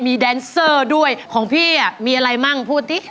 มีแดนเซอร์ด้วยของพี่มีอะไรมั่งพูดสิ